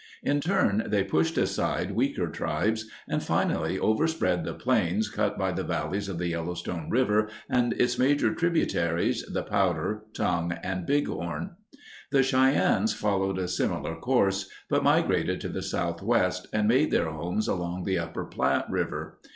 In turn they pushed aside weaker tribes and finally overspread the plains cut by the valleys of the Yellowstone River and its major tributaries, the Powder, Tongue, and Bighorn. The Cheyennes followed a similar course but migrated to the southwest and made their homes along the upper Platte River.